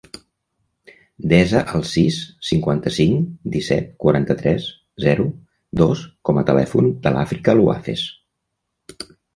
Desa el sis, cinquanta-cinc, disset, quaranta-tres, zero, dos com a telèfon de l'Àfrica Luaces.